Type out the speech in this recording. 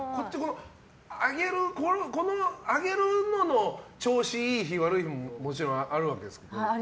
上げるのの調子いい日、悪い日ももちろんあるわけですけど。